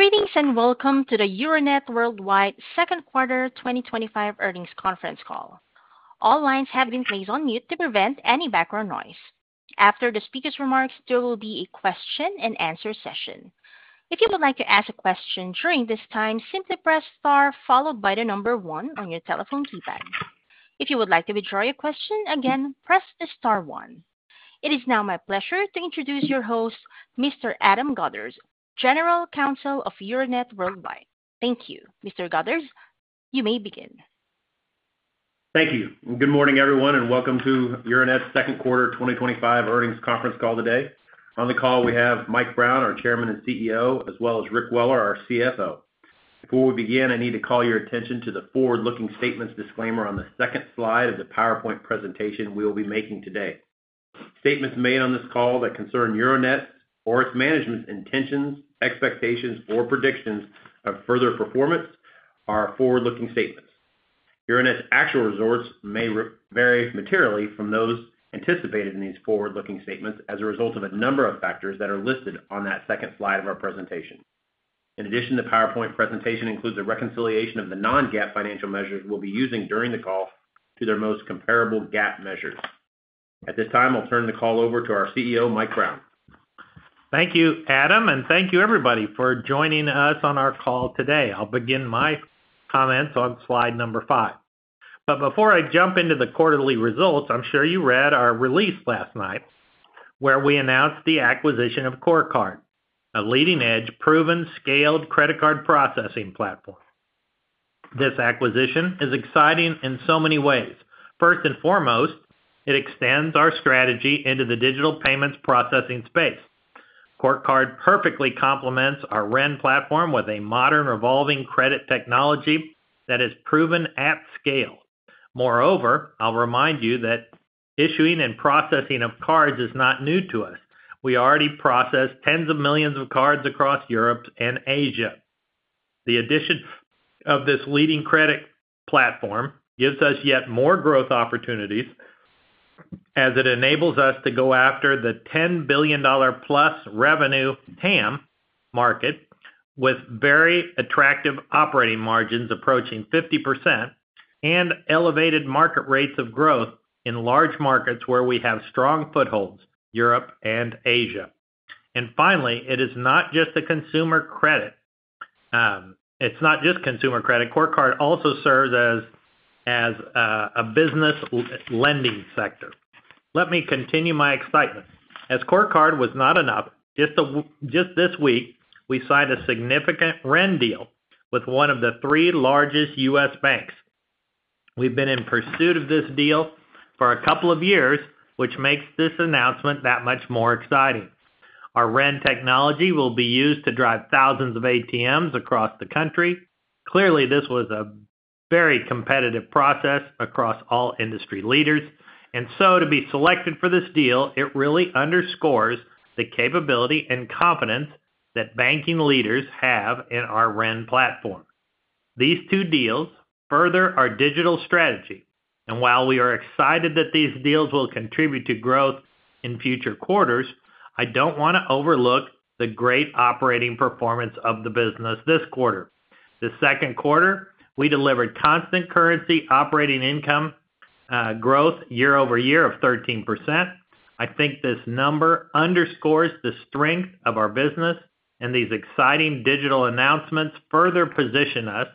Greetings and welcome to the Euronet Worldwide second quarter 2025 earnings conference call. All lines have been placed on mute to prevent any background noise. After the speaker's remarks, there will be a question and answer session. If you would like to ask a question during this time, simply press star followed by the number one on your telephone keypad. If you would like to withdraw your question, press the star one. It is now my pleasure to introduce your host, Mr. Adam Godderz, General Counsel of Euronet Worldwide. Thank you, Mr. Godderz. You may begin. Thank you. Good morning everyone and welcome to Euronet's second quarter 2025 earnings conference call today. On the call we have Michael Brown, our Chairman and CEO, as well as Rick Weller, our CFO. Before we begin, I need to call your attention to the forward-looking statements disclaimer on the second slide of the PowerPoint presentation we will be making today. Statements made on this call that concern Euronet Worldwide's or its management's intentions, expectations, or predictions of further performance are forward-looking statements. Euronet actual results may vary materially from those anticipated in these forward-looking statements. As a result of a number of factors that are listed on that second slide of our presentation. In addition, the PowerPoint presentation includes a reconciliation of the non-GAAP financial measures will be using during the call to their most comparable GAAP measures. At this time I'll turn the call over to our CEO Mike Brown. Thank you, Adam, and thank you, everybody, for joining us on our call today. I'll begin my comments on slide number five. Before I jump into the quarterly results, I'm sure you read our release last night where we announced the acquisition of CoreCard, a leading-edge, proven, scaled credit card processing platform. This acquisition is exciting in so many ways. First and foremost, it extends our strategy into the digital payments processing space. CoreCard perfectly complements our REN platform with a modern revolving credit technology that is proven at scale. Moreover, I'll remind you that issuing and processing of cards is not new to us. We already process tens of millions of cards across Europe and Asia. The addition of this leading credit platform gives us yet more growth opportunities. It enables us to go after the $10 billion plus revenue market with very attractive operating margins approaching 50% and elevated market rates of growth in large markets where we have strong footholds, Europe and Asia. Finally, it is not just consumer credit. CoreCard also serves as a business lending sector. Let me continue my excitement as if CoreCard was not enough just this week we signed a significant REN deal with one of the three largest U.S. banks. We've been in pursuit of this deal for a couple of years, which makes this announcement that much more exciting. Our REN technology will be used to drive thousands of ATMs across the country. Clearly, this was a very competitive process across all industry leaders, and to be selected for this deal really underscores the capability and confidence that banking leaders have in our REN platform. These two deals further our digital strategy, and while we are excited that these deals will contribute to growth in future quarters, I don't want to overlook the great operating performance of the business this quarter. The second quarter we delivered constant currency operating income growth year-over-year of 13%. I think this number underscores the strength of our business, and these exciting digital announcements further position us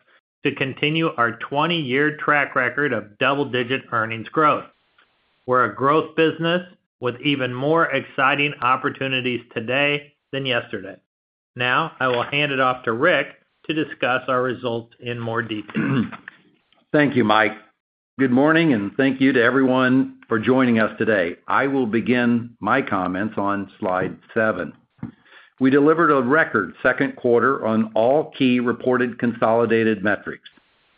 to continue our 20 year track record of double digit earnings growth. We're a growth business with even more exciting opportunities today than yesterday. Now I will hand it off to Rick to discuss our results in more detail. Thank you, Mike. Good morning and thank you to everyone for joining us today. I will begin my comments on slide 7. We delivered a record second quarter on all key reported consolidated metrics.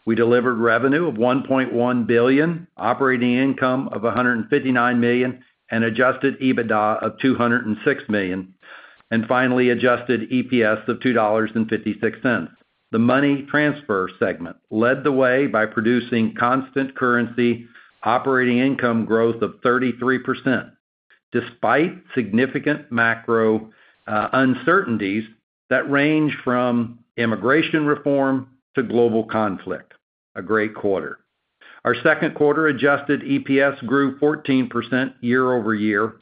We delivered revenue of $1.1 billion, operating income of $159 million, adjusted EBITDA of $206 million, and finally adjusted EPS of $2.56. The money transfer segment led the way by producing constant currency operating income growth of 33% despite significant macro uncertainties that range from immigration reform to global conflict. A great quarter, our second quarter adjusted EPS grew 14% year-over-year.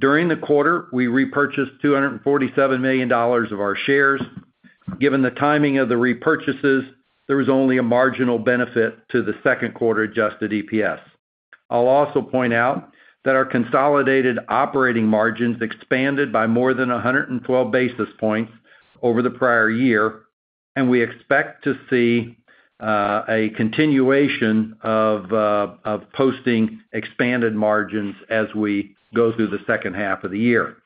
During the quarter, we repurchased $247 million of our shares. Given the timing of the repurchases, there was only a marginal benefit to the second quarter adjusted EPS. I'll also point out that our consolidated operating margins expanded by more than 112 basis points over the prior year, and we expect to see a continuation of posting expanded margins as we go through the second half of the year.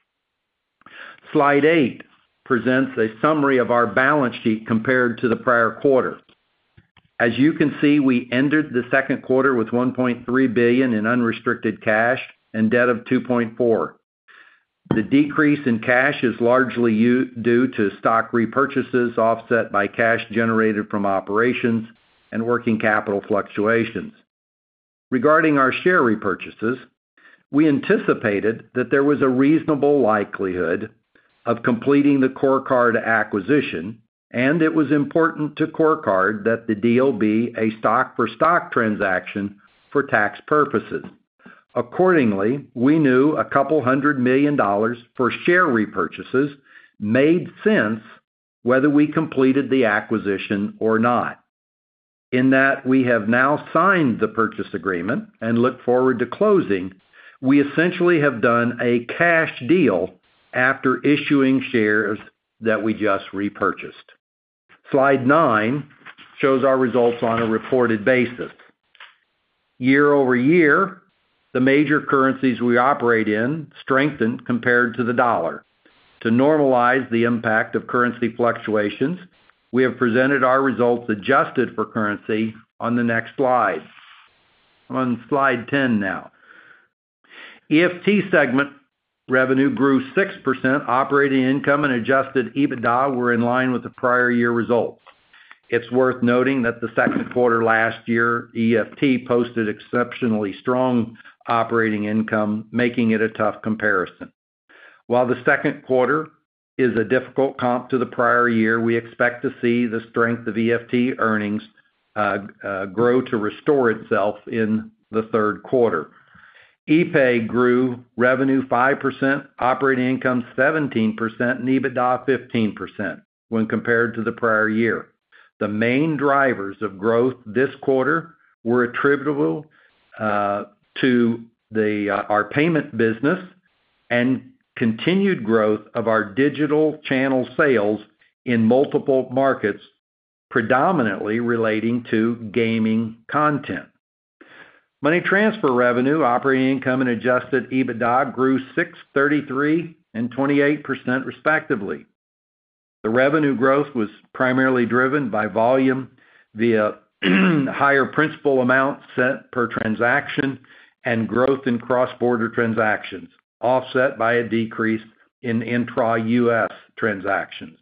Slide 8 presents a summary of our balance sheet compared to the prior quarter. As you can see, we ended the second quarter with $1.3 billion in unrestricted cash and debt of $2.4 billion. The decrease in cash is largely due to stock repurchases offset by cash generated from operations and working capital fluctuations. Regarding our share repurchases, we anticipated that there was a reasonable likelihood of completing the CoreCard acquisition, and it was important to CoreCard that the deal be a stock-for-stock transaction for tax purposes. Accordingly, we knew a couple hundred million dollars for share repurchases made sense whether we completed the acquisition or not. In that we have now signed the purchase agreement and look forward to closing, we essentially have done a cash deal after issuing shares that we just repurchased. Slide 9 shows our results on a reported basis. Year-over- year, the major currencies we operate in strengthened compared to the dollar. To normalize the impact of currency fluctuations, we have presented our results adjusted for currency on the next slide. On slide 10 now, EFT segment revenue grew 6%, operating income and adjusted EBITDA were in line with the prior year results. It's worth noting that the second quarter last year, EFT posted exceptionally strong operating income, making it a tough comparison. While the second quarter is a difficult comp to the prior year, we expect to see the strength of EFT earnings grow to restore itself in the third quarter. ePAY grew revenue 5%, operating income 17%, and EBITDA 15% when compared to the prior year. The main drivers of growth this quarter were attributable to our payment business and continued growth of our digital channel sales in multiple markets, predominantly relating to gaming content, money transfer revenue. Operating income and adjusted EBITDA grew 633% and 28%, respectively. The revenue growth was primarily driven by volume via higher principal amount sent per transaction and growth in cross-border transactions, offset by a decrease in Intra-U.S. transactions.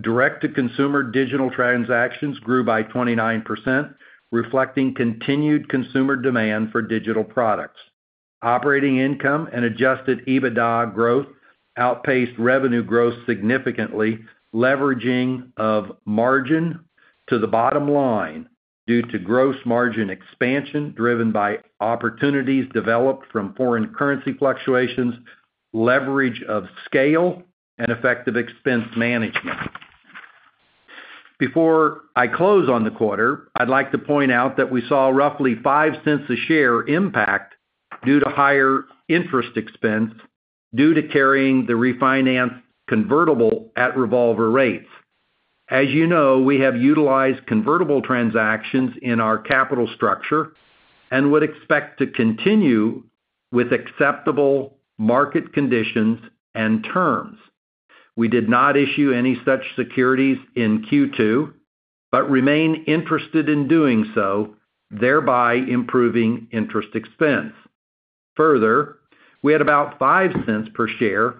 Direct-to-consumer digital transactions grew by 29%, reflecting continued consumer demand for digital products. Operating income and adjusted EBITDA growth outpaced revenue growth, significantly leveraging margin to the bottom line due to gross margin expansion driven by opportunities developed from foreign currency fluctuations, leverage of scale, and effective expense management. Before I close on the quarter, I'd like to point out that we saw roughly $0.05 a share impact due to higher interest expense due to carrying the refinance convertible at revolver rates. As you know, we have utilized convertible transactions in our capital structure and would expect to continue with acceptable market conditions and terms. We did not issue any such securities in Q2 but remain interested in doing so, thereby improving interest expense. Further, we had about $0.05 per share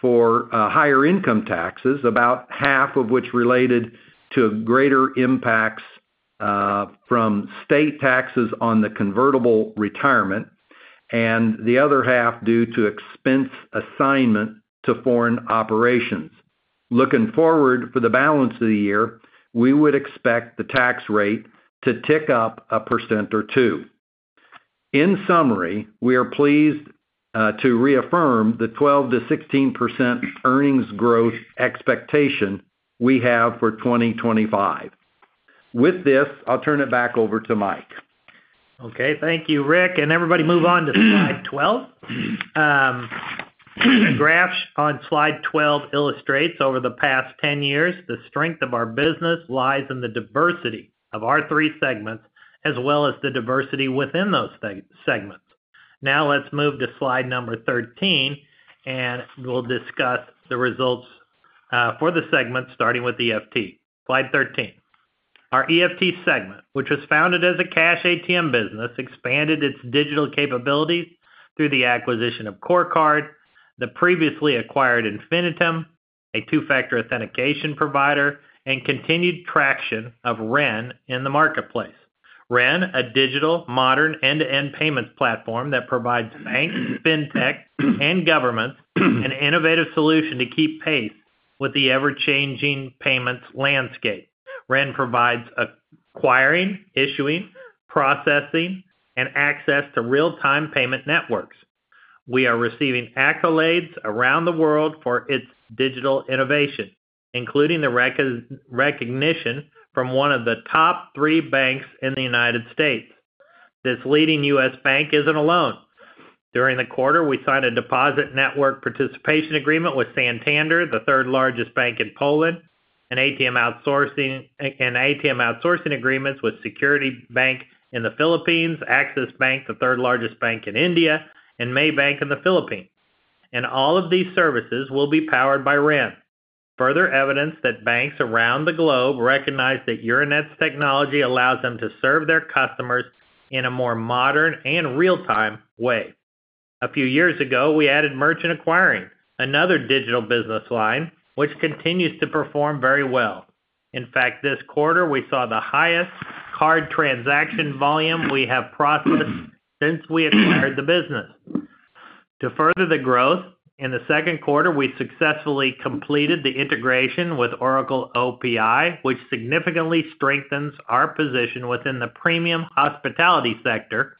for higher income taxes, about half of which related to greater impacts from state taxes on the convertible retirement and the other half due to expense assignment to foreign operations. Looking forward for the balance of the year, we would expect the tax rate to tick up a percent or two. In summary, we are pleased to reaffirm the 12% to 16% earnings growth expectation we have for 2025. With this, I'll turn it back over to Mike. Okay, thank you, Rick, and everybody move on to slide 12. The graph on slide 12 illustrates over the past 10 years, the strength of our business lies in the diversity of our three segments as well as the diversity within those segments. Now let's move to slide number 13 and we'll discuss the results for the segment starting with EFT. Slide 13. Our EFT segment, which was founded as a cash ATM business, expanded its digital capabilities through the acquisition of CoreCard, the previously acquired Infinitium, a two-factor authentication provider, and continued traction of REN in the marketplace. REN, a digital modern end-to-end payments platform, provides banks, fintech, and governments an innovative solution to keep pace with the ever-changing payments landscape. REN provides acquiring, issuing, processing, and access to real-time payment networks. We are receiving accolades around the world for its digital innovation, including the recognition from one of the top three banks in the U.S. This leading U.S. bank isn't alone. During the quarter, we signed a deposit network participation agreement with Santander, the third largest bank in Poland, and ATM outsourcing agreements with Security Bank in the Philippines, Axis Bank, the third largest bank in India, and Maybank in the Philippines. All of these services will be powered by REN. This is further evidence that banks around the globe recognize that Euronet's technology allows them to serve their customers in a more modern and real-time way. A few years ago, we added merchant acquiring, another digital business line, which continues to perform very well. In fact, this quarter we saw the highest card transaction volume we have processed since we acquired the business. To further the growth in the second quarter, we successfully completed the integration with Oracle OPi, which significantly strengthens our position within the premium hospitality sector.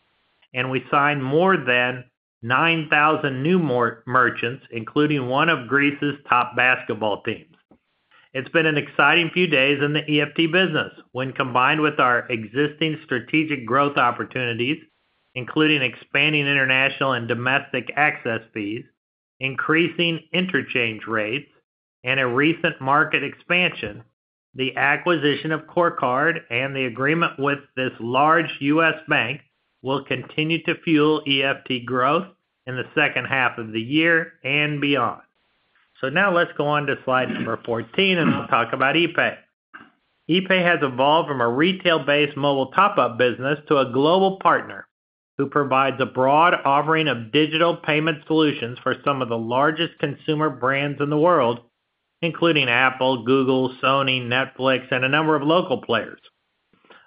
We signed more than 9,000 new merchants, including one of Greece's top basketball teams. It's been an exciting few days in the EFT business when combined with our existing strategic growth opportunities, including expanding international and domestic access fees, increasing interchange rates, and a recent market expansion. The acquisition of CoreCard and the agreement with this large U.S. bank will continue to fuel EFT growth in the second half of the year and beyond. Now let's go to slide 14 and I'll talk about ePAY. ePAY has evolved from a retail-based mobile top-up business to a global partner who provides a broad offering of digital payment solutions for some of the largest consumer brands in the world, including Apple, Google, Sony, Netflix, and a number of local players.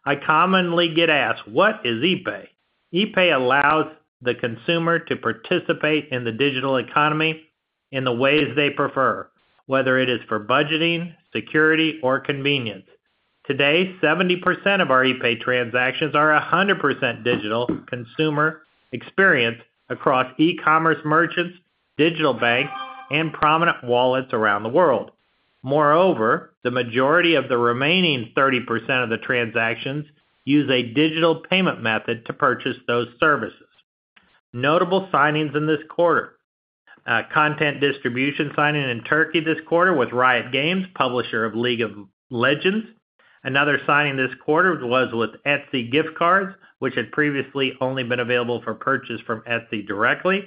I commonly get asked, what is ePAY? ePAY allows the consumer to participate in the digital economy in the ways they prefer, whether it is for budgeting, security, or convenience. Today, 70% of our ePAY transactions are 100% digital consumer experience across e-commerce merchants, digital banks, and prominent wallets around the world. Moreover, the majority of the remaining 30% of the transactions use a digital payment method to purchase those services. Notable signings in this content distribution signing in Turkey this quarter with Riot Games, publisher of League of Legends. Another signing this quarter was with Etsy gift cards, which had previously only been available for purchase from Etsy directly.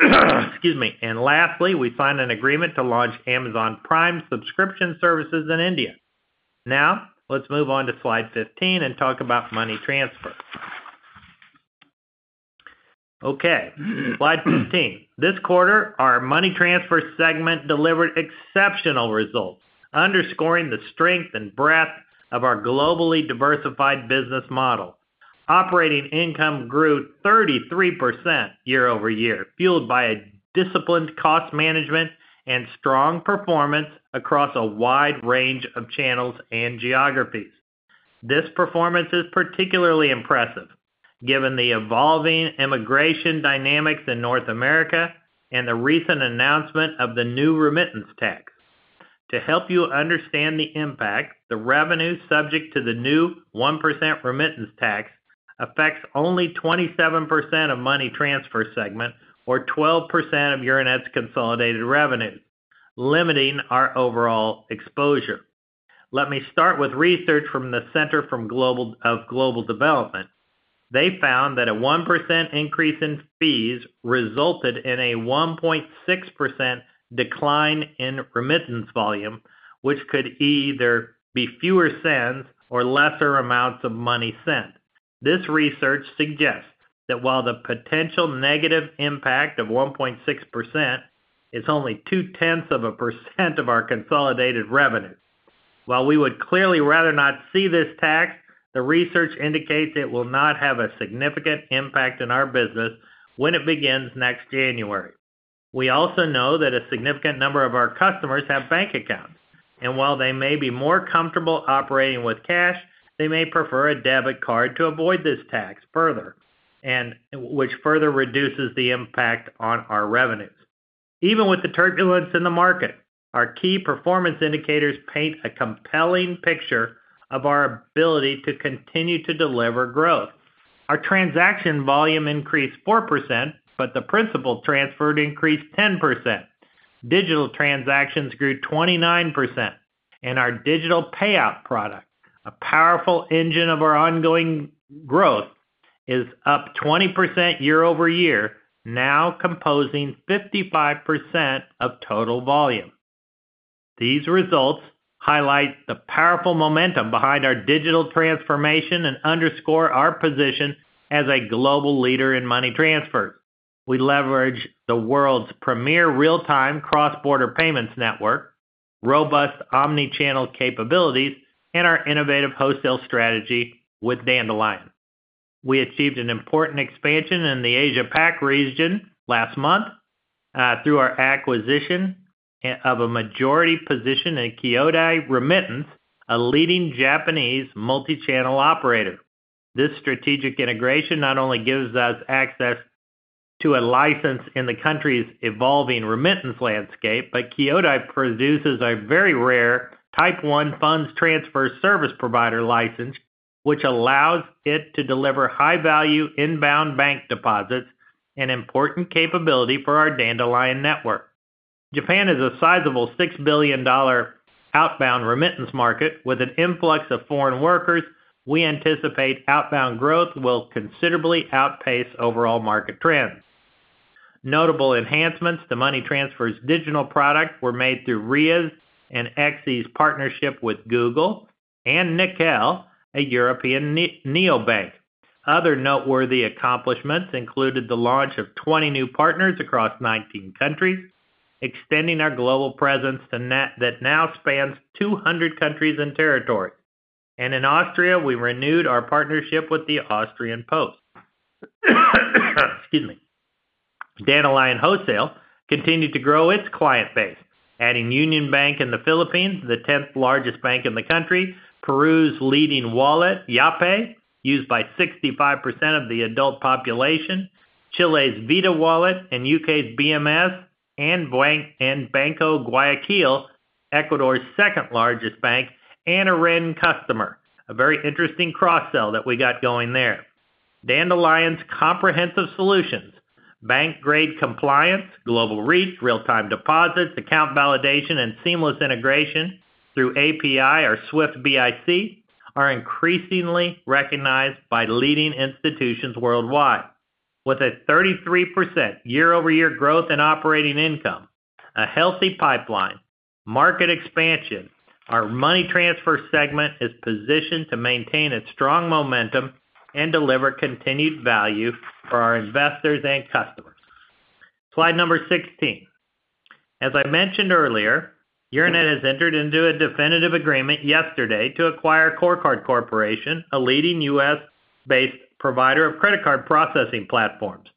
Lastly, we signed an agreement to launch Amazon Prime subscription services in India. Now let's move on to slide 15 and talk about money transfer. Slide 15, this quarter our money transfer segment delivered exceptional results, underscoring the strength and breadth of our globally diversified business model. Operating income grew 33% year over year, fueled by disciplined cost management and strong performance across a wide range of channels and geographies. This performance is particularly impressive given the evolving immigration dynamics in North America and the recent announcement of the new remittance tax. To help you understand the impact, the revenue subject to the new 1% remittance tax affects only 27% of the money transfer segment or 12% of Euronet's consolidated revenues, limiting our overall exposure. Let me start with research from the Center of Global Development. They found that a 1% increase in fees resulted in a 1.6% decline in remittance volume, which could either be fewer sends or lesser amounts of money sent. This research suggests that while the potential negative impact of 1.6% is only 0.2% of our consolidated revenue, while we would clearly rather not see this tax, the research indicates it will not have a significant impact in our business when it begins next January. We also know that a significant number of our customers have bank accounts, and while they may be more comfortable operating with cash, they may prefer a debit card to avoid this tax further, which further reduces the impact on our revenues. Even with the turbulence in the market, our key performance indicators paint a compelling picture of our ability to continue to deliver growth. Our transaction volume increased 4%, but the principal transfer increased 10%. Digital transactions grew 29%, and our digital payout product, a powerful engine of our ongoing growth, is up 20% year-over-year, now composing 55% of total volume. These results highlight the powerful momentum behind our digital transformation and underscore our position as a global leader in money transfers. We leverage the world's premier real-time cross-border payments network, robust omnichannel capabilities, and our innovative wholesale strategy with Dandelion We achieved an important expansion in the Asia region last month through our acquisition of a majority position in KYODAI Remittance, a leading Japanese multichannel operator. This strategic integration not only gives us access to a license in the country's evolving remittance landscape, but KYODAI produces a very rare type 1 funds transfer service provider license, which allows it to deliver high-value inbound bank deposits, an important capability for our Dandelion network. Japan is a sizable $6 billion outbound remittance market. With an influx of foreign workers, we anticipate outbound growth will considerably outpace overall market trends. Notable enhancements to money transfer's digital product were made through Ria and XE's partnership with Google and Nickel, a European neobank. Other noteworthy accomplishments included the launch of 20 new partners across 19 countries, extending our global presence that now spans 200 countries and territories. In Austria, we renewed our partnership with the Austrian Post. Dandelion wholesale continued to grow its client base, adding Union Bank in the Philippines, the 10th largest bank in the country, Peru's leading wallet YAPE, used by 65% of the adult population, Chile's Vita Wallet, and UK's BMS and Banco Guayaquil, Ecuador's second largest bank and Ria customer. A very interesting cross-sell that we got going there. Dandelion's comprehensive solutions, bank-grade compliance, global reach, real-time deposits, account validation, and seamless integration through API or SWIFT BIC are increasingly recognized by leading institutions worldwide. With a 33% year-over-year growth in operating income and a healthy pipeline for market expansion, our money transfer segment is positioned to maintain its strong momentum and deliver continued value for our investors and customers. Slide number 16. As I mentioned earlier, Euronet has entered into a definitive agreement yesterday to acquire CoreCard Corporation, a leading U.S.-based provider of credit card processing platforms.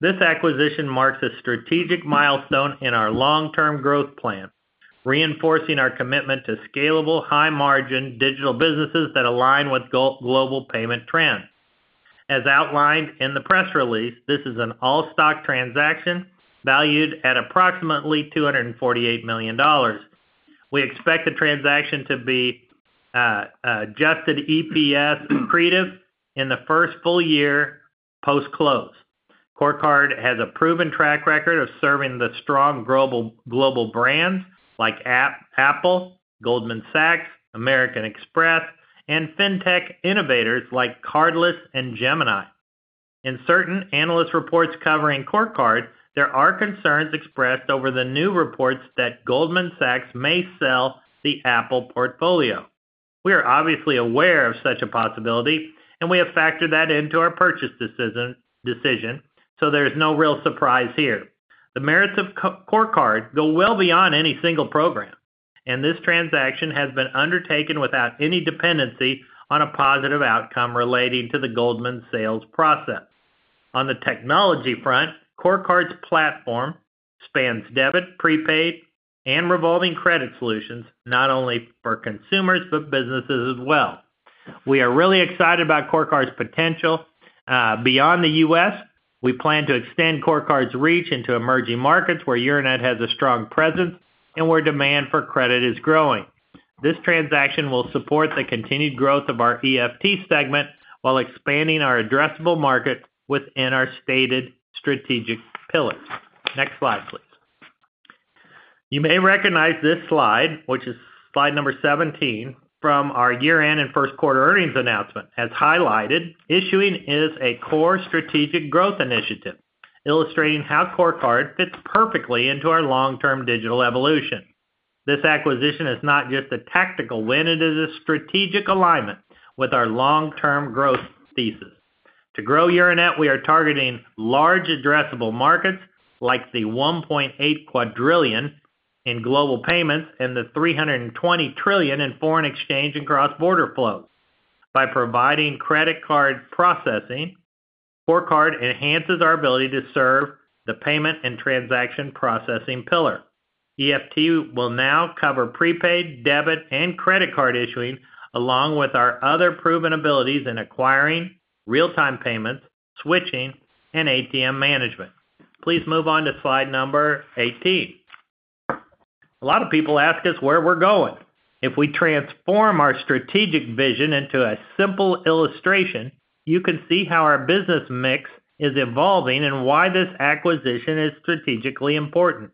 This acquisition marks a strategic milestone in our long-term growth plan, reinforcing our commitment to scalable, high-margin digital businesses that align with global payment trends. As outlined in the press release, this is an all-stock transaction valued at approximately $248 million. We expect the transaction to be adjusted EPS accretive in the first full year post-close. CoreCard has a proven track record of serving strong global brands like Apple, Goldman Sachs, American Express, and fintech innovators like Cardless and Gemini. In certain analyst reports covering CoreCard, there are concerns expressed over the new reports that Goldman Sachs may sell the Apple Card portfolio. We are obviously aware of such a possibility and we have factored that into our purchase decision, so there is no real surprise here. The merits of CoreCard go well beyond any single program, and this transaction has been undertaken without any dependency on a positive outcome relating to the Goldman sales process. On the technology front, CoreCard's platform spans debit, prepaid, and revolving credit solutions not only for consumers, but businesses as well. We are really excited about CoreCard's potential beyond the U.S. We plan to extend CoreCard's reach into emerging markets where Euronet has a strong presence and where demand for credit is growing. This transaction will support the continued growth of our EFT segment while expanding our addressable market within our stated strategic pillars. Next slide please. You may recognize this slide, which is slide number 17, from our year-end and first quarter earnings announcement. As highlighted, issuing is a core strategic growth initiative, illustrating how CoreCard fits perfectly into our long-term digital evolution. This acquisition is not just a tactical win, it is a strategic alignment with our long-term growth thesis. To grow Euronet, we are targeting large addressable markets like the $1.8 quadrillion in global payments and the $320 trillion in foreign exchange and cross-border flows. By providing credit card processing, CoreCard enhances our ability to serve the payment and transaction processing pillar. EFT will now cover prepaid, debit, and credit card issuing along with our other proven abilities in acquiring, real-time payments switching, and ATM management. Please move on to slide number 18. A lot of people ask us where we're going if we transform our strategic vision into a simple illustration. You can see how our business mix is evolving and why this acquisition is strategically important.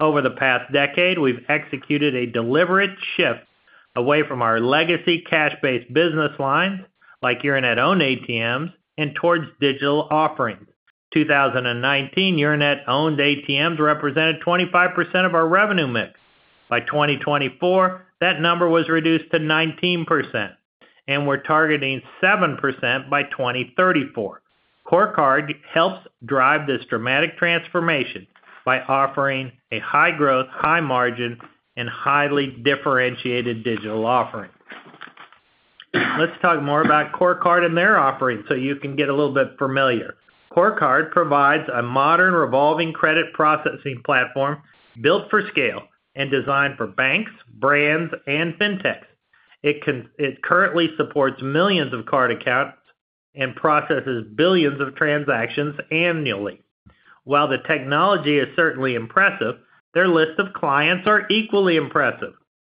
Over the past decade, we've executed a deliberate shift away from our legacy cash-based business lines like Euronet-owned ATMs and towards digital offerings. In 2019, Euronet-owned ATMs represented 25% of our revenue mix. By 2024, that number was reduced to 19%, and we're targeting 7% by 2034. CoreCard helps drive this dramatic transformation by offering a high-growth, high-margin, and highly differentiated digital offering. Let's talk more about CoreCard and their offerings so you can get a little bit familiar. CoreCard provides a modern revolving credit processing platform built for scale and designed for banks, brands, and fintechs. It currently supports millions of card accounts and processes billions of transactions annually. While the technology is certainly impressive, their list of clients is equally impressive.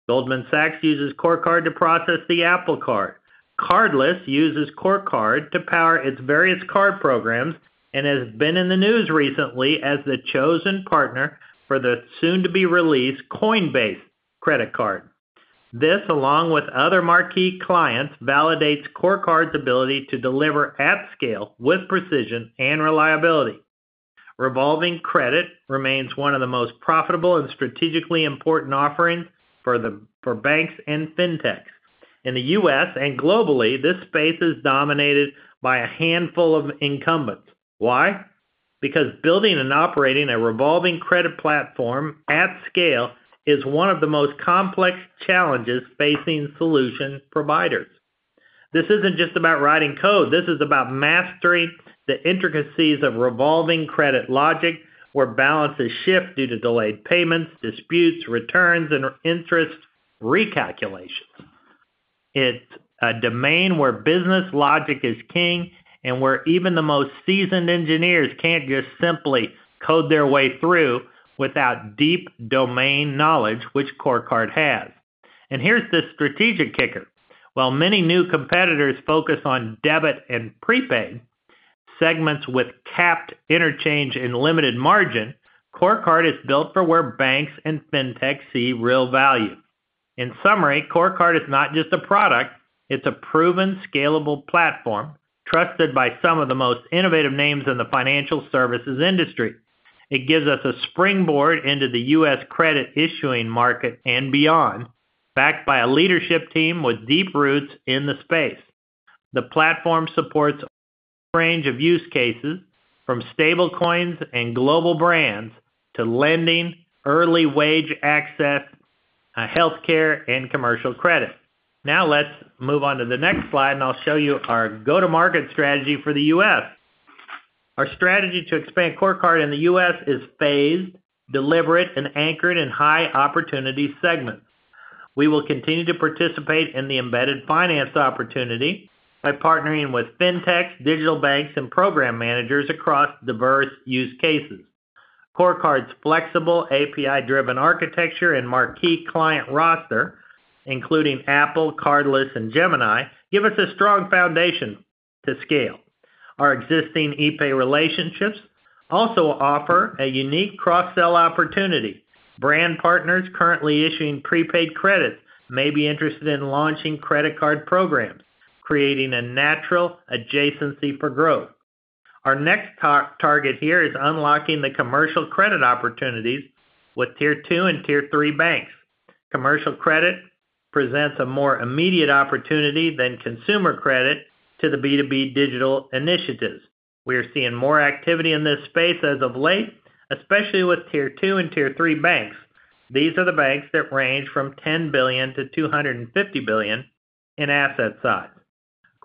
Goldman Sachs uses CoreCard to process the Apple Card. Cardless uses CoreCard to power its various card programs and has been in the news recently as the chosen partner for the soon-to-be-released Coinbase Credit Card. This, along with other marquee clients, validates CoreCard's ability to deliver at scale with precision and reliability. Revolving credit remains one of the most profitable and strategically important offerings for banks and fintechs in the U.S. and globally. This space is dominated by a handful of incumbents. Why? Because building and operating a revolving credit platform at scale is one of the most complex challenges facing solution providers. This isn't just about writing code. This is about mastering the intricacies of revolving credit logic where balances shift due to delayed payments, disputes, returns, and interest recalculations. It's a domain where business logic is king and where even the most seasoned engineers can't just simply code their way through without deep domain knowledge, which CoreCard has, and here's the strategic kicker. While many new competitors focus on debit and prepay segments with capped interchange and limited margin, CoreCard is built for where banks and fintech see real value. In summary, CoreCard is not just a product. It's a proven, scalable platform trusted by some of the most innovative names in the financial services industry. It gives us a springboard into the U.S. credit issuing market and beyond. Backed by a leadership team with deep roots in the space, the platform supports a wide range of use cases from stablecoins and global brands to lending, early wage access, health care, and commercial credit. Now let's move on to the next slide, and I'll show you our go-to-market strategy for the U.S. Our strategy to expand CoreCard in the U.S. is phased, deliberate, and anchored in high opportunity segments. We will continue to participate in the embedded finance opportunity by partnering with fintechs, digital banks, and program managers across diverse use cases. CoreCard's flexible API-driven architecture and marquee client roster, including Apple, Cardless, and Gemini, give us a strong foundation to scale. Our existing ePAY relationships also offer a unique cross-sell opportunity. Brand partners currently issuing prepaid credits may be interested in launching credit card programs, creating a natural adjacency for growth. Our next target here is unlocking the commercial credit opportunities with Tier 2 and Tier 3 banks. Commercial credit presents a more immediate opportunity than consumer credit to the B2B digital initiatives. We are seeing more activity in this space as of late, especially with Tier 2 and Tier 3 banks. These are the banks that range from $10 billion to $250 billion asset size.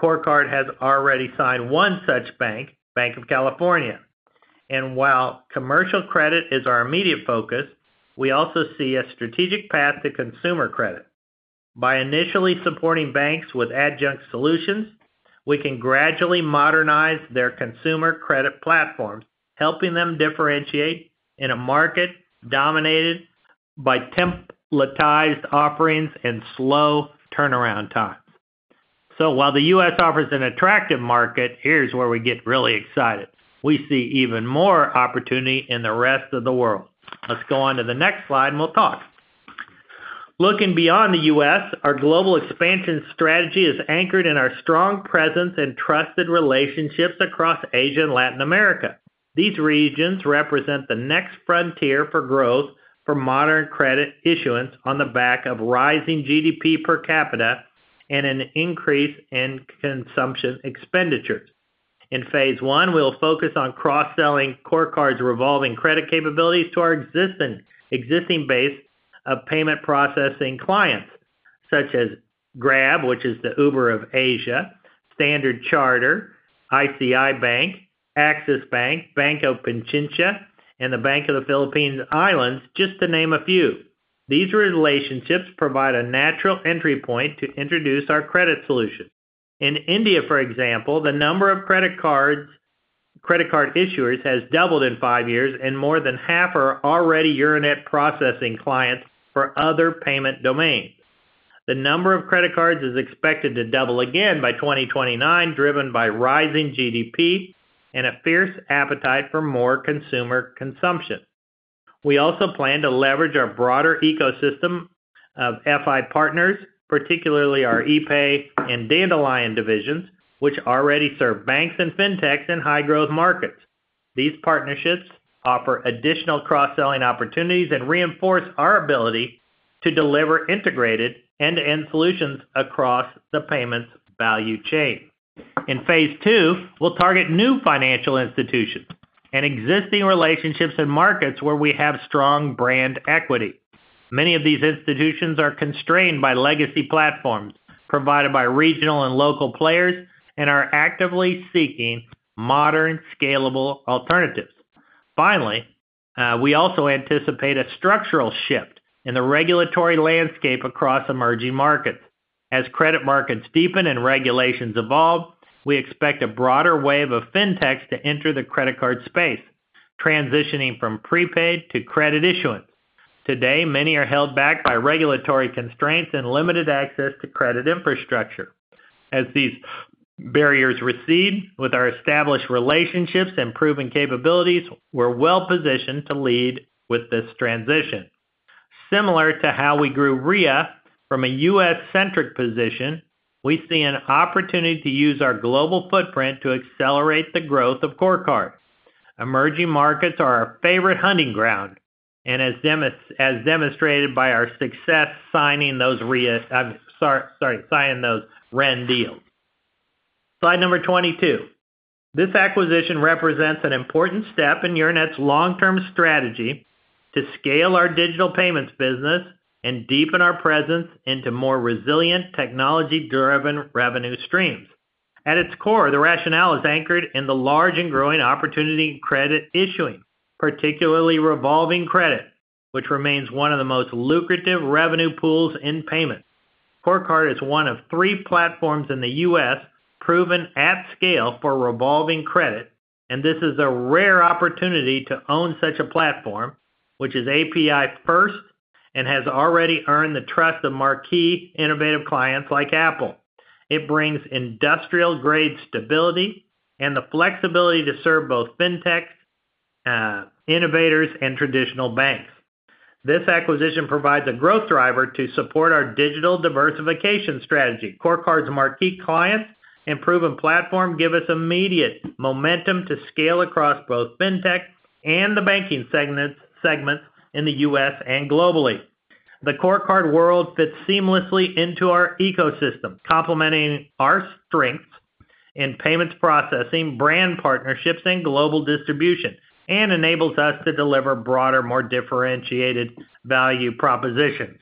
CoreCard has already signed one such bank, Bank of California, and while commercial credit is our immediate focus, we also see a strategic path to consumer credit. By initially supporting banks with adjunct solutions, we can gradually modernize their consumer credit platforms, helping them differentiate in a market dominated by templatized offerings and slow turnaround times. The U.S. offers an attractive market. Here's where we get really excited. We see even more opportunity in the rest of the world. Let's go on to the next slide and we'll talk. Looking beyond the U.S., our global expansion strategy is anchored in our strong presence and trusted relationships across Asia and Latin America. These regions represent the next frontier for growth for modern credit issuance on the back of rising GDP per capita and an increase in consumption expenditures. In phase one, we'll focus on cross selling CoreCard revolving credit capabilities to our existing base of payment processing clients such as Grab, which is the Uber of Asia, Standard Chartered, ICICI Bank, Axis Bank, Banco Guayaquil, and the Bank of the Philippine Islands, just to name a few. These relationships provide a natural entry point to introduce our credit solution. In India, for example, the number of credit card issuers has doubled in five years and more than half are already Euronet processing clients for other payment domains. The number of credit cards is expected to double again by 2029, driven by rising GDP and a fierce appetite for more consumer consumption. We also plan to leverage our broader ecosystem of FI partners, particularly our ePAY and Dandelion divisions, which already serve banks and fintechs in high growth markets. These partnerships offer additional cross selling opportunities and reinforce our ability to deliver integrated end to end solutions across the payments value chain. In phase two, we'll target new financial institutions and existing relationships in markets where we have strong brand equity. Many of these institutions are constrained by legacy platforms provided by regional and local players and are actively seeking modern scalable alternatives. Finally, we also anticipate a structural shift in the regulatory landscape across emerging markets. As credit markets deepen and regulations evolve, we expect a broader wave of fintechs to enter the credit card space, transitioning from prepaid to credit issuance. Today, many are held back by regulatory constraints and limited access to credit infrastructure. As these barriers recede with our established relationships and proven capabilities, we're well positioned to lead with this transition. Similar to how we grew Ria from a U.S.-centric position, we see an opportunity to use our global footprint to accelerate the growth of CoreCard. Emerging markets are our favorite hunting ground and as demonstrated by our success signing those REN deals. Slide number 22, this acquisition represents an important step in Euronet's long-term strategy to scale our digital payments business and deepen our presence into more resilient technology-driven revenue streams. At its core, the rationale is anchored in the large and growing opportunity in credit issuing, particularly revolving credit, which remains one of the most lucrative revenue pools in payments. CoreCard is one of three platforms in the U.S. proven at scale for revolving credit and this is a rare opportunity to own such a platform which is API-first and has already earned the trust of marquee innovative clients like Apple. It brings industrial-grade stability and the flexibility to serve both fintech innovators and traditional banks. This acquisition provides a growth driver to support our digital diversification strategy. CoreCard's marquee clients and proven platform give us immediate momentum to scale across both fintech and the banking segments in the U.S. and globally. The CoreCard world fits seamlessly into our ecosystem, complementing our strengths in payment processing, brand partnerships and global distribution, and enables us to deliver broader, more differentiated value propositions.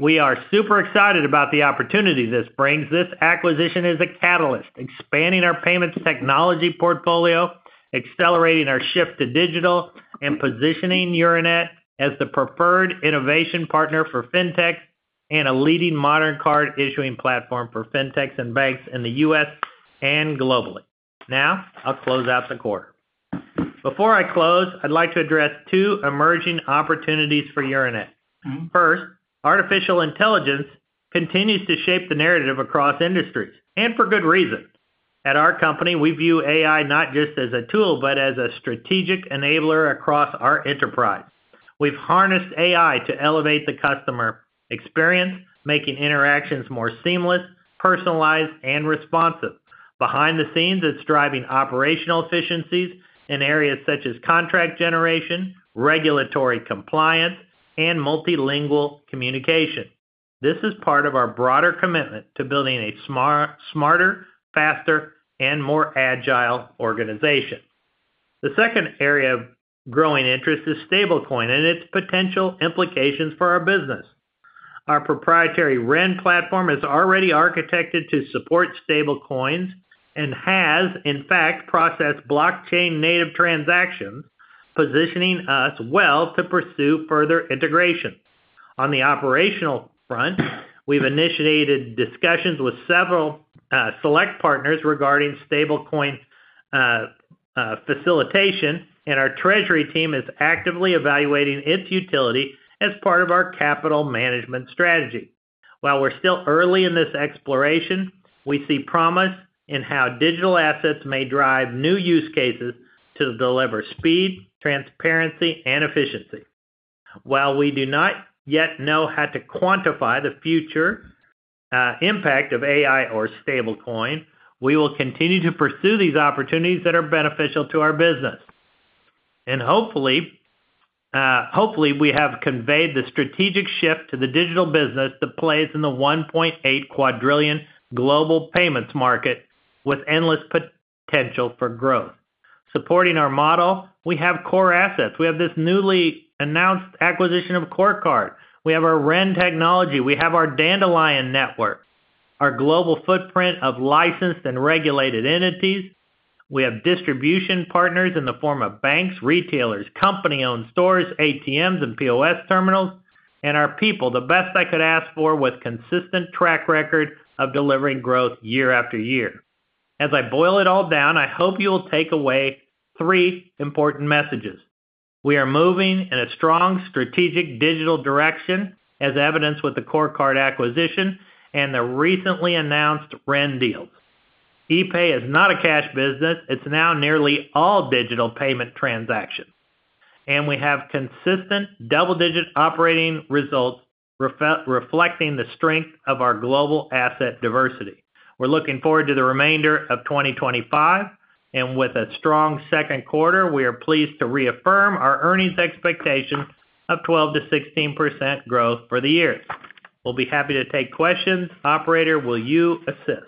We are super excited about the opportunity this brings this acquisition is a catalyst expanding our payments technology portfolio, accelerating our shift to digital and positioning Euronet as the preferred innovation partner for fintech and a leading modern card issuing platform for fintechs and banks in the U.S. and globally. Now I'll close out the quarter. Before I close, I'd like to address two emerging opportunities for Euronet. First, artificial intelligence continues to shape the narrative across industries and for good reason. At our company, we view AI not just as a tool, but as a strategic enabler. Across our enterprise, we've harnessed AI to elevate the customer experience, making interactions more seamless, personalized and responsive. Behind the scenes, it's driving operational efficiencies in areas such as contract generation, regulatory compliance and multilingual communication. This is part of our broader commitment to building a smarter, faster and more agile organization. The second area of growing interest is stablecoin and its potential implications for our business. Our proprietary REN platform is already architected to support stablecoins and has in fact processed blockchain-native transactions, positioning us well to pursue further integration. On the operational front, we've initiated discussions with several select partners regarding stablecoin facilitation, and our treasury team is actively evaluating its utility as part of our capital management strategy. While we're still early in this exploration, we see promise in how digital assets may drive new use cases to deliver speed, transparency, and efficiency. While we do not yet know how to quantify the future impact of AI or stablecoin, we will continue to pursue these opportunities that are beneficial to our business. Hopefully, we have conveyed the strategic shift to the digital business that plays in the $1.8 quadrillion global payments market with endless potential for growth supporting our model. We have core assets, we have this newly announced acquisition of CoreCard. We have our REN technology, we have our Dandelion network, our global footprint of licensed and regulated entities. We have distribution partners in the form of banks, retailers, company-owned stores, ATMs, and POS terminals. And our people. The best I could ask for with a consistent track record of delivering growth year-after-year. As I boil it all down, I hope you will take away three important messages. We are moving in a strong strategic digital direction as evidenced with the CoreCard acquisition and the recently announced REN deals. ePAY is not a cash business. It's now nearly all digital payment transactions, and we have consistent double-digit operating results reflecting the strength of our global asset diversity. We're looking forward to the remainder of 2025, and with a strong second quarter, we are pleased to reaffirm our earnings expectation of 12% to 16% growth for the year. We'll be happy to take questions. Operator, will you assist?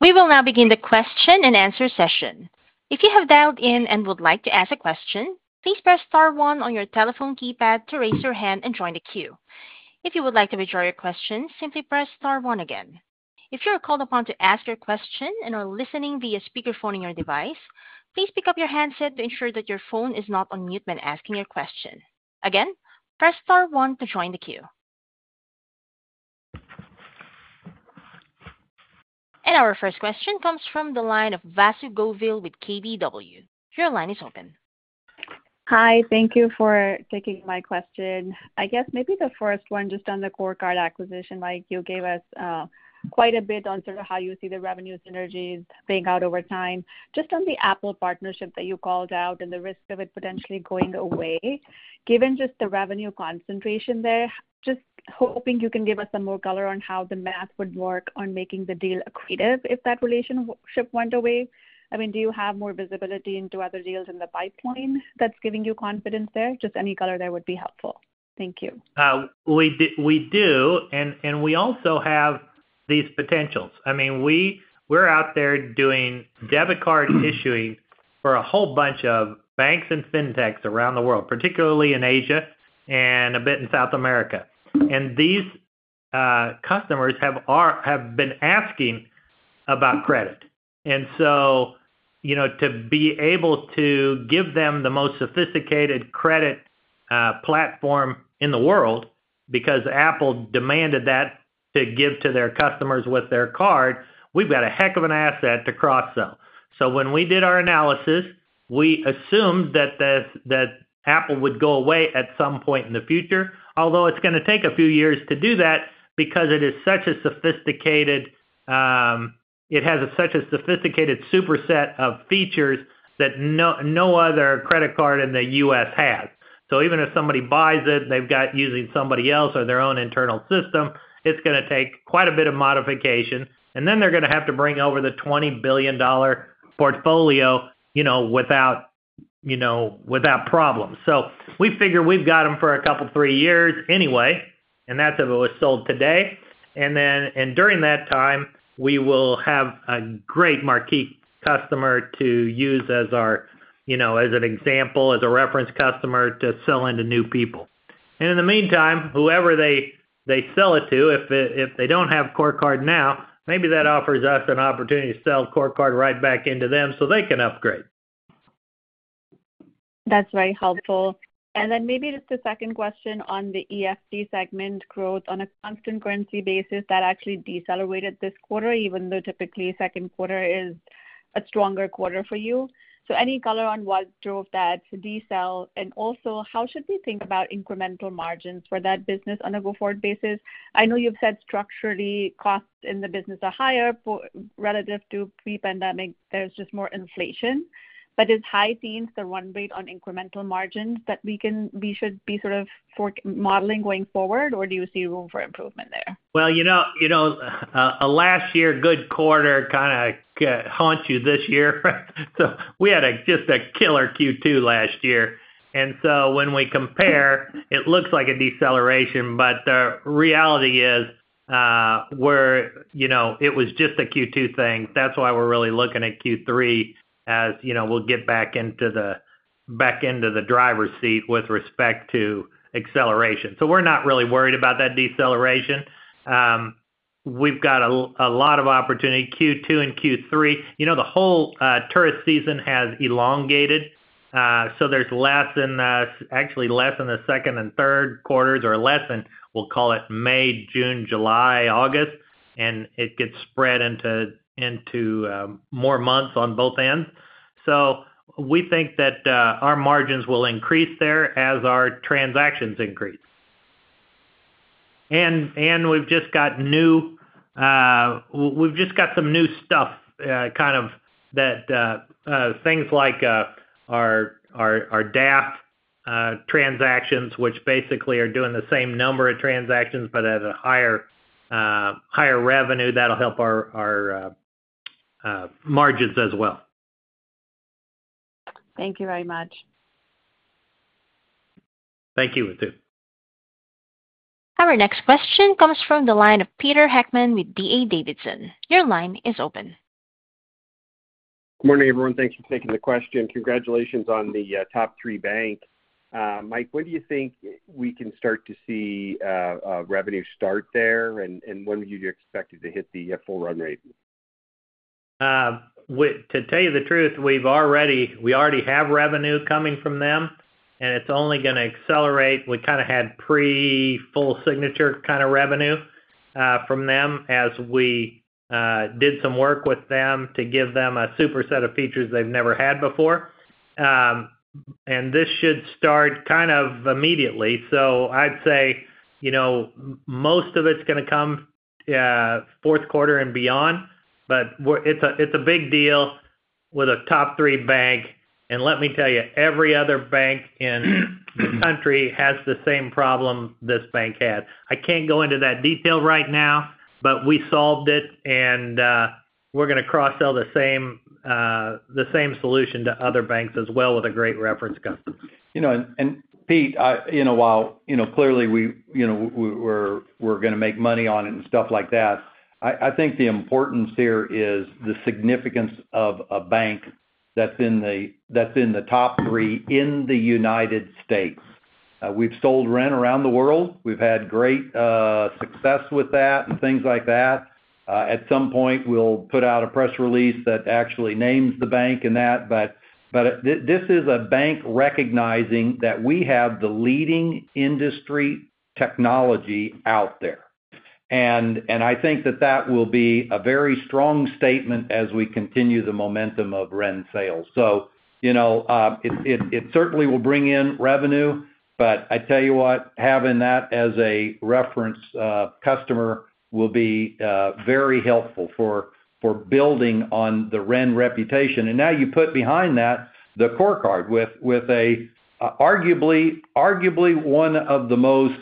We will now begin the question and answer session. If you have dialed in and would like to ask a question, please press star one on your telephone keypad to raise your hand and join the queue. If you would like to withdraw your question, simply press star one again. If you are called upon to ask your question and are listening via speakerphone in your device, please pick up your handset to ensure that your phone is not on mute when asking your question. Again, press star one to join the queue. Our first question comes from the line of Vasu Goville with KBW. Your line is open. Hi, thank you for taking my question. I guess maybe the first one just on the CoreCard acquisition. Mike, you gave us quite a bit on sort of how you see the revenue synergies being out over time. Just on the Apple partnership that you called out and the risk of it potentially going away given just the revenue concentration there. Just hoping you can give us some more color on how the math would work on making the deal accretive if that relationship went away. I mean, do you have more visibility into other deals in the pipeline that's giving you confidence there? Any color there would be helpful. Thank you. We do. We also have these potentials. I mean we're out there doing debit card issuing for a whole bunch of banks and fintechs around the world, particularly in Asia and a bit in South America. These customers have been asking about credit to be able to give them the most sophisticated credit platform in the world because Apple demanded that to give to their customers with their card. We've got a heck of an asset to cross sell. When we did our analysis, we assumed that Apple would go away at some point in the future. Although it's going to take a few years to do that because it has such a sophisticated super set of features that no other credit card in the U.S. has. Even if somebody buys it, they've got using somebody else or their own internal system, it's going to take quite a bit of modification and then they're going to have to bring over the $20 billion portfolio without problems. We figure we've got them for a couple, three years anyway and that's if it was sold today. During that time we will have a great marquee customer to use as an example, as a reference customer to sell into new people. In the meantime, whoever they sell it to, if they don't have CoreCard now, maybe that offers us an opportunity to sell CoreCard right back into them so they can upgrade. That's very helpful. Maybe just the second question on the EFT segment growth on a constant currency basis, that actually decelerated this quarter even though typically second quarter is a stronger quarter for you. Any color on what drove that decel, and also how should we think about incremental margins for that business on a go forward basis? I know you've said structurally costs in the business are higher relative to pre-pandemic, there's just more inflation. Is high teens the run rate on incremental margins that we should be sort of modeling going forward, or do you see room for improvement there? Last year, a good quarter kind of haunts you this year. We had just a killer Q2 last year, and when we compare, it looks like a deceleration. The reality is it was just a Q2 thing. That is why we're really looking at Q3 as we'll get back into the driver's seat with respect to acceleration. We're not really worried about that deceleration. We've got a lot of opportunity in Q2 and Q3. The whole tourist season has elongated, so there's actually less in the second and third quarters, or less than, we'll call it, May, June, July, August, and it gets spread into more months on both ends. We think that our margins will increase there as our transactions increase. We've just got some new stuff, things like our DAFT transactions, which basically are doing the same number of transactions but at a higher revenue that will help our margins as well. Thank you very much. Thank you, Vasu. Our next question comes from the line of Peter Heckmann with D.A. Davidson. Your line is open. Good morning, everyone. Thanks for taking the question. Congratulations on the top three bank. Mike, when do you think we can start to see revenue start there. When do you expect it to hit the full run rate? To tell you the truth, we already have revenue coming from them and it's only going to accelerate. We had pre-full signature revenue from them as we did some work with them to give them a super set of features they've never had before. This should start immediately. I'd say most of it's going to come fourth quarter and beyond. It is a big deal with a top three bank. Every other bank in the country has the same problem this bank had. I can't go into that detail right now, but we solved it and we're going to cross-sell the same solution to other banks as well with a great reference gun. Pete, while clearly we're going to make money on it and stuff like that, I think the importance here is the significance of a bank that's in the top three in the United States. We've sold REN around the world. We've had great success with that and things like that. At some point we'll put out a press release that actually names the bank. This is a bank recognizing that we have the leading industry technology out there. I think that will be a very strong statement as we continue the momentum of REN sales. It certainly will bring in revenue. I tell you what, having that as a reference customer will be very helpful for building on the REN reputation. Now you put behind that the CoreCard with arguably one of the most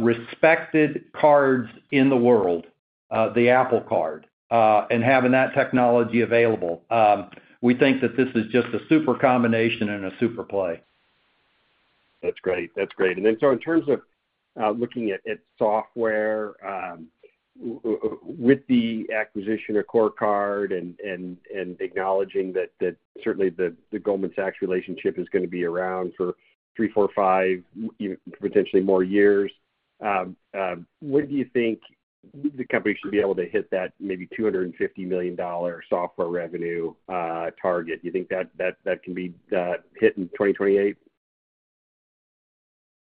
respected cards in the world, the Apple Card, and having that technology available. We think that this is just a super combination and a super play. That's great, that's great. In terms of looking at software with the acquisition of CoreCard and acknowledging that certainly the Goldman Sachs relationship is going to be around for three, four, five, potentially more years. When do you think the company should be able to hit that maybe $250 million software revenue target? Do you think that can be hit in 2028?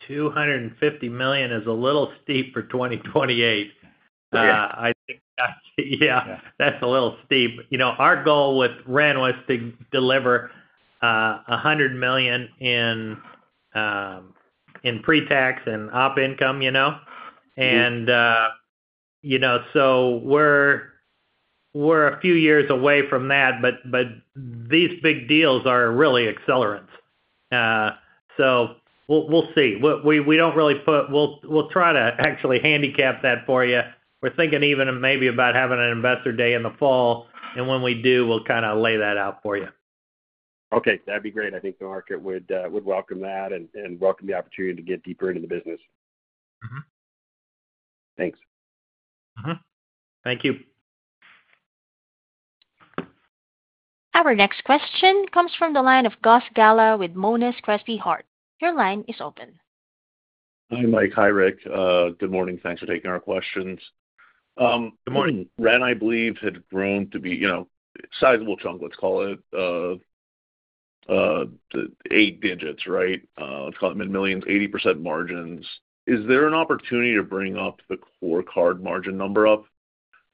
$250 million is a little steep for 2028. Yeah, that's a little steep. Our goal with REN was to deliver $100 million in pre-tax and operating income, you know, and you know, we're a few years away from that. These big deals are really accelerants. We'll see. We don't really put, we'll try to actually handicap that for you. We're thinking even maybe about having an investor day in the fall. When we do, we'll kind of lay that out for you. Okay, that'd be great. I think the market would welcome that and welcome the opportunity to get deeper into the business. Thanks. Thank you. Our next question comes from the line of Gus Galá with Monness, Crespi, Hardt. Your line is open. Hi, Mike. Hi Rick. Good morning. Thanks for taking our questions. Good morning. REN, I believe, had grown to be, you know, a sizable chunk, let's call it eight digits. Right. Let's call it mid millions, 80% margins. Is there an opportunity to bring up the CoreCard margin number up?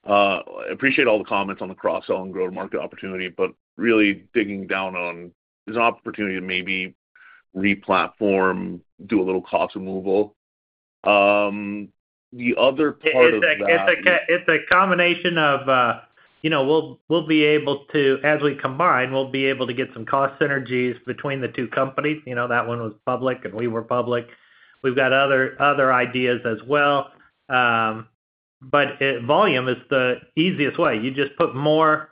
I appreciate all the comments. Cross sell and grow market opportunity, but really digging down on is an opportunity to maybe replatform, do a little cost removal. The other part of. It's a combination of, you know, we'll be able to, as we combine, we'll be able to get some cost synergies between the two companies. You know, that one was public and we were public. We've got other ideas as well, but volume is the easiest way. You just put more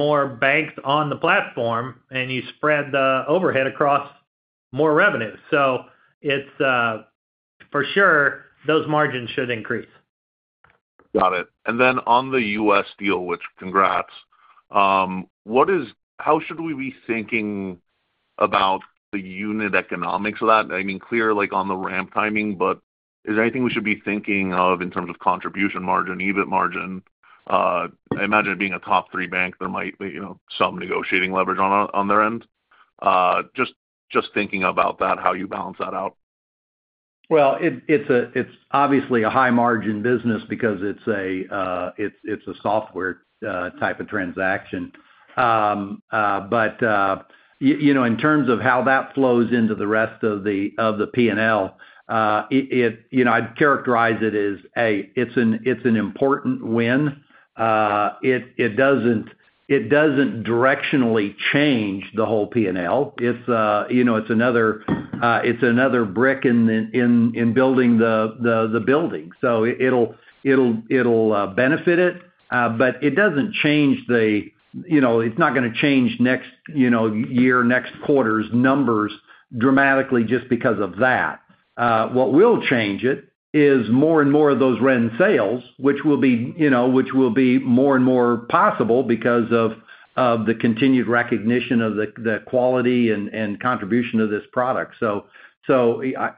banks on the platform and you spread the overhead across more revenue. For sure those margins should increase. Got it. On the U.S. deal, which congrats, how should we be thinking about the unit economics of that? I mean clear like on the ramp timing, but is there anything we should be thinking of in terms of contribution margin, EBIT margin? I imagine being a top three bank, there might be some negotiating leverage on their end. Just thinking about that, how you balance that out. It is obviously a high margin business because it's a software type of transaction. In terms of how that flows into the rest of the P&L, I'd characterize it as it's an important win. It doesn't directionally change the whole P&L. It's another brick in building the building. It'll benefit it, but it doesn't change the, you know, it's not going to change next year, next quarter's numbers dramatically just because of that. What will change it is more and more of those REN platform sales, which will be more and more possible because of the continued recognition of the quality and contribution of this product. I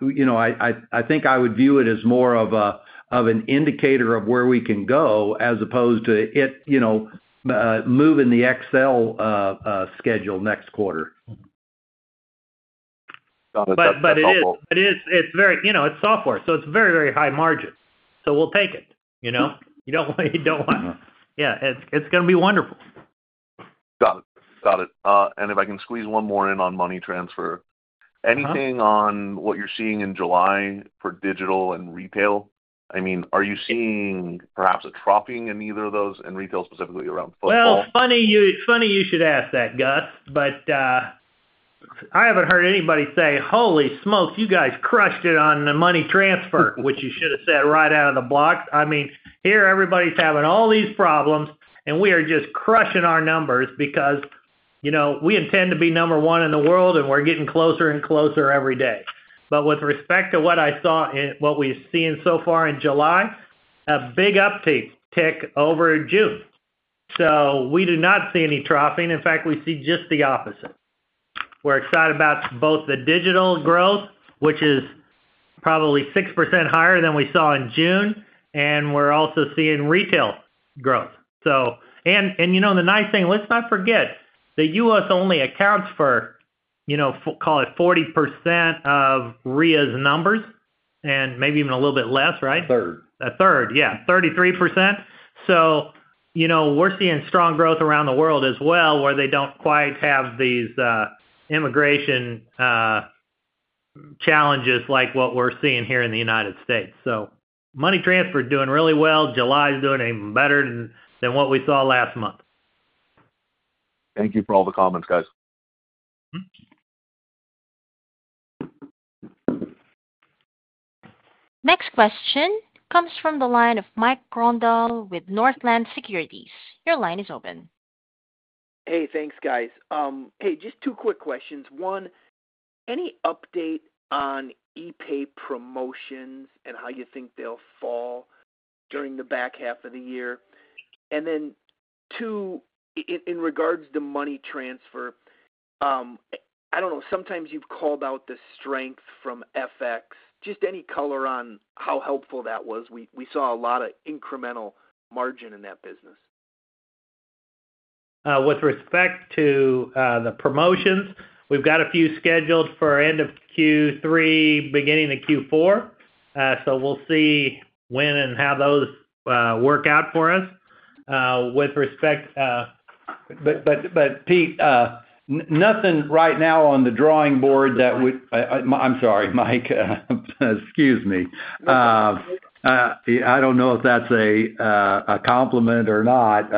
think I would view it as more of an indicator of where we can go as opposed to it moving the Excel schedule next quarter. It's software, so it's very, very high margin. We will take it. It's going to be wonderful. Got it, got it. If I can squeeze one more in on money transfer, anything on what you're seeing in July for digital and retail? Are you seeing perhaps a troughing in either of those and retail specifically around footprint? Funny you should ask that, Gus, but I haven't heard anybody say, holy smokes, you guys crushed it on the money transfer, which you should have said right out of the block. I mean, here everybody's having all these problems and we are just crushing our numbers because we intend to be number one in the world. We're getting closer and closer every day. With respect to what I saw, what we've seen so far in July, a big uptick over June. We do not see any troughing. In fact, we see just the opposite. We're excited about both the digital growth, which is probably 6% higher than we saw in June, and we're also seeing retail. The nice thing, let's not forget the U.S. only accounts for, call it 40% of Ria's numbers and maybe even a little bit less, right? A third? Yeah, 33%. We're seeing strong growth around the world as well, where they don't quite have these immigration challenges like what we're seeing here in the United States. Money transfer doing really well. July is doing even better than what we saw last month. Thank you for all the comments, guys. Next question comes from the line of Mike Grondahl with Northland Securities. Your line is open. Hey, thanks, guys. Just two quick questions. One, any update on ePAY promotions? How you think they'll fall during the back half of the year? In regards to money transfer, I don't know. Sometimes you've called out the strength from FX. Just any color on how helpful that was. We saw a lot of incremental margin in that business. With respect to the promotions, we've got a few scheduled for end of Q3, beginning of Q4, so we'll see when and how those work out for us. With respect, nothing right now on the drawing board that would. I'm sorry, Mike. Excuse me. I don't know if that's a compliment or not,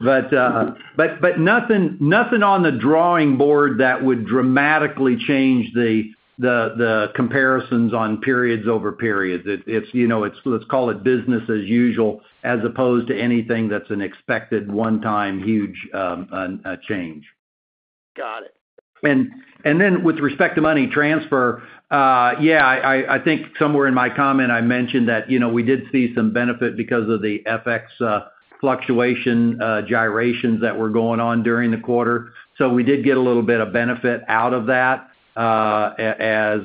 but nothing on the drawing board that would dramatically change the comparisons on periods over periods. Let's call it business as usual as opposed to anything that's an expected one time, huge change. Got it. With respect to money transfer, I think somewhere in my comment I mentioned that we did see some benefit because of the FX fluctuation gyrations that were going on during the quarter. We did get a little bit of benefit out of that. As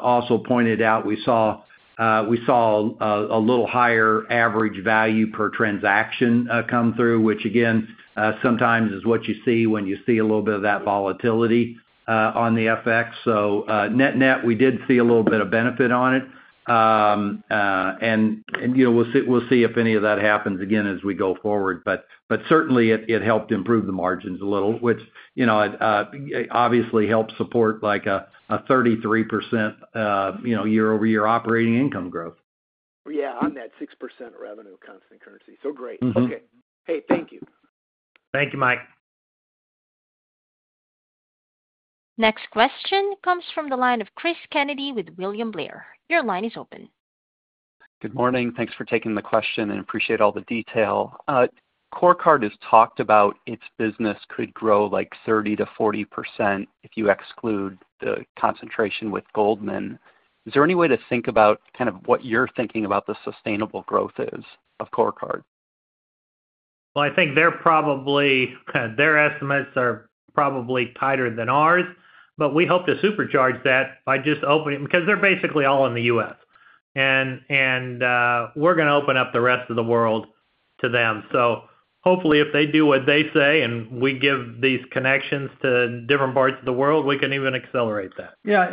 also pointed out, we saw a little higher average value per transaction come through, which again sometimes is what you see when you see a little bit of that volatility on the FX. Net net, we did see a little bit of benefit on it and we'll see if any of that happens again as we go forward. It certainly helped improve the margins a little, which obviously helps support like a 33% year-over-year operating income growth. Yeah. On that 6% revenue constant currency. Great. Okay. Hey, thank you. Thank you, Mike. Next question comes from the line of Cris Kennedy with William Blair. Your line is open. Good morning. Thanks for taking the question and appreciate all the detail. CoreCard has talked about its business could grow like 30% to 40% if you exclude the concentration with Goldman. Is there any way to think about kind of what you're thinking about the sustainable growth is of CoreCard? I think they're probably, their estimates are probably tighter than ours, but we hope to supercharge that by just opening because they're basically all in the U.S. and we're going to open up the rest of the world to them. Hopefully if they do what they say and we give these connections to different parts of the world, we can even accelerate that. Yeah.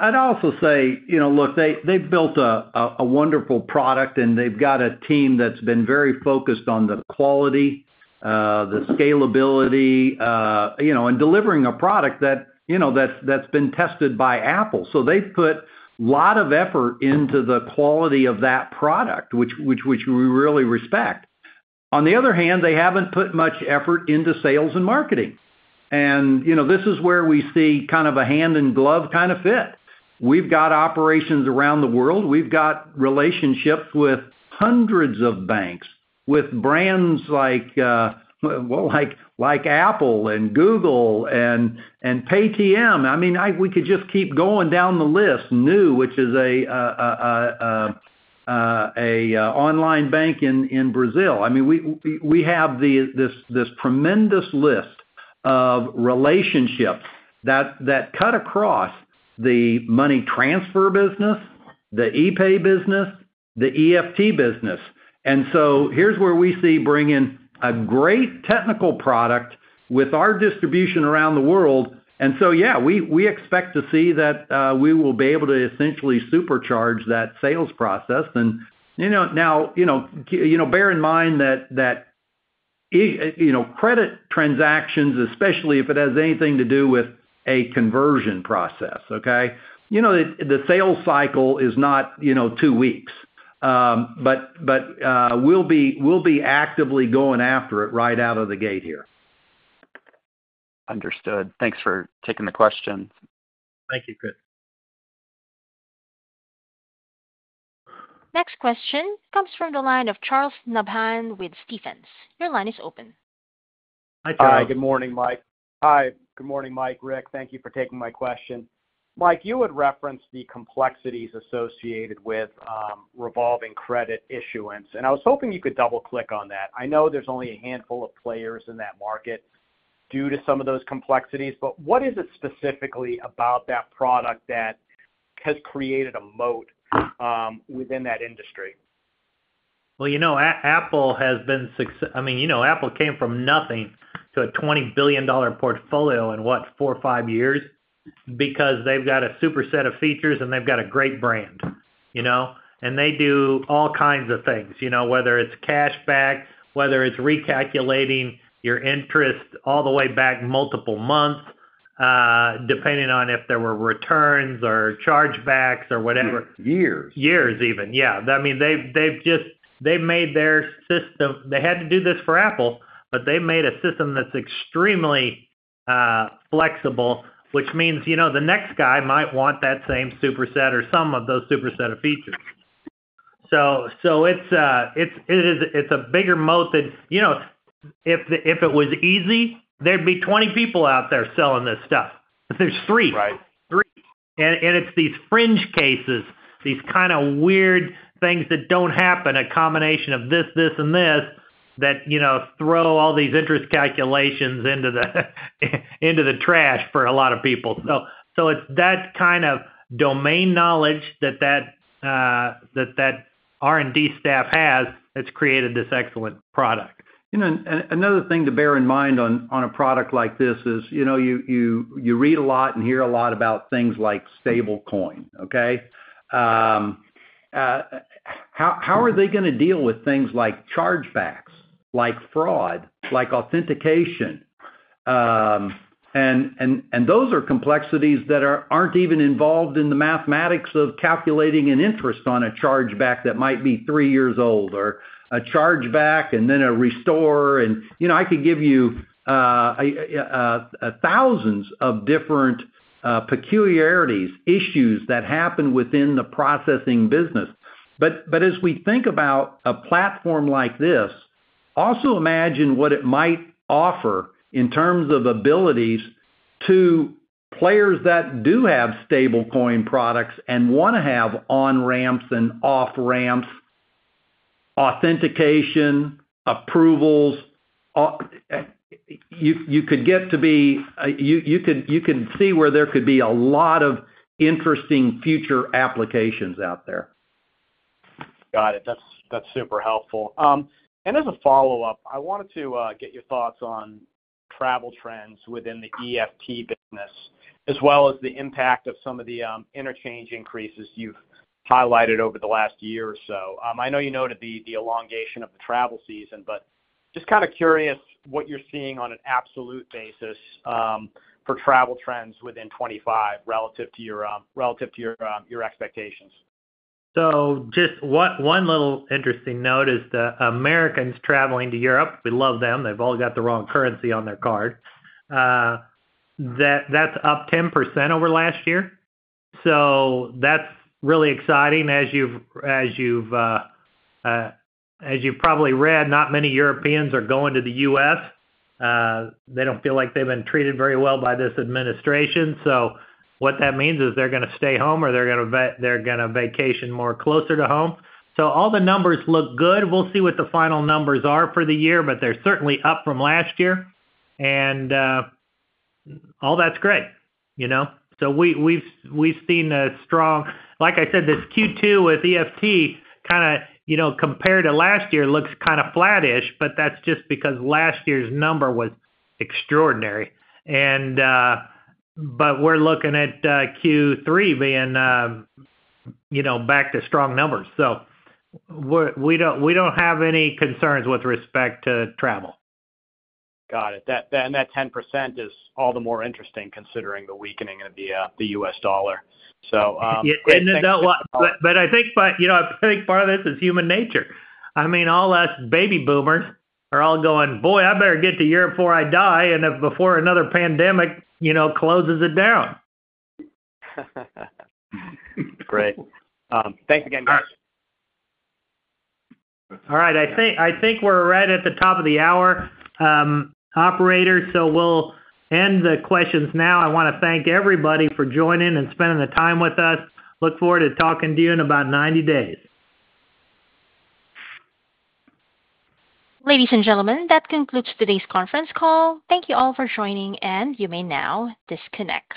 I'd also say, you know, look, they built a wonderful product and they've got a team that's been very focused on the core quality, the scalability, and delivering a product that's been tested by Apple. They put a lot of effort into the quality of that product, which we really respect. On the other hand, they haven't put much effort into sales and marketing. This is where we see kind of a hand in glove kind of fit. We've got operations around the world, we've got relationships with hundreds of banks with brands like Apple and Google and Paytm. I mean, we could just keep going down the list. Nu, which is an online bank in Brazil. We have this tremendous list of relationships that cut across the money transfer business, the ePAY business, the EFT business. Here's where we see bringing a great technical product with our distribution around the world. We expect to see that we will be able to essentially supercharge that sales process. Now, bear in mind that credit transactions, especially if it has anything to do with a conversion process. Okay. You know, the sales cycle is not, you know, two weeks, but we'll be actively going after it right out of the gate here. Understood. Thanks for taking the question. Thank you, Cris. Next question comes from the line of Charles Nabhan with Stephens. Your line is open. Hi Good morning, Mike. Good morning, Mike. Rick, thank you for taking my question. Mike, you had referenced the complexities associated with revolving credit issuance, and I was hoping you could double click on that. I know there's only a handful of players in that market due to some of those complexities, but what is it specifically about that product that has created a moat within that industry? You know, Apple has been successful. I mean, Apple came from nothing to a $20 billion portfolio in what, four or five years because they've got a super set of features and they've got a great brand, and they do all kinds of things, whether it's cash back, whether it's recalculating your interest all the way back, multiple months, depending on if there were returns or chargebacks or whatever. Years. Years even. I mean, they made their system, they had to do this for Apple, but they made a system that's extremely flexible, which means the next guy might want that same superset or some of those superset of features. It's a bigger moat that, you know, if it was easy, there'd be 20 people out there selling this stuff. There's three. It's these fringe cases, these kind of weird things that don't happen, a combination of this, this, and this, that throw all these interest calculations into the trash for a lot of people. It's that kind of domain knowledge that R&D staff has that's created this excellent product. Another thing to bear in mind on a product like this is you read a lot and hear a lot about stablecoin. Okay. How are they going to deal with things like chargebacks, like fraud, like authentication? Those are complexities that aren't even involved in the mathematics of calculating an interest on a chargeback that might be three years old or a chargeback and then a restore. I could give you thousands of different peculiarities, issues that happen within the processing business. As we think about a platform like this, also imagine what it might offer in terms of abilities to players that do have stablecoin products and want to have on ramps and off ramps, authentication, approvals. You can see where there could be a lot of interesting future applications out there. Got it. That's super helpful. As a follow up, I wanted to get your thoughts on travel trends within the EFT business as well as the impact of some of the interchange increases you've highlighted over the last year or so. I know you noted the elongation of the travel season, but just kind of curious what you're seeing on an absolute basis for travel trends within 2025 relative to your expectations. Just one little interesting note is the Americans traveling to Europe, we love them. They've all got the wrong currency on their card, that's up 10% over last year. That's really exciting. As you've probably read, not many Europeans are going to the U.S. They don't feel like they've been treated very well by this administration. What that means is they're going to stay home or they're going to vacation more closer to home. All the numbers look good. We'll see what the final numbers are for the year, but they're certainly up from last year and all that's great. We've seen a strong, like I said, this Q2 with EFT compared to last year looks kind of flattish, but that's just because last year's number was extraordinary. We're looking at Q3 being back to strong numbers. We don't have any concerns with respect to travel. Got it. That 10% is all the more interesting considering the weakening of the U.S. Dollar. I think part of this is human nature. I mean, all us baby boomers are all going, boy, I better get to Europe before I die, before another pandemic closes it down. Great. Thanks again, guys. I think we're right at the top of the hour, operators, so we'll end the questions now. I want to thank everybody for joining and spending the time with us. Look forward to talking to you in about 90 days. Ladies and gentlemen, that concludes today's conference call. Thank you all for joining, and you may now disconnect.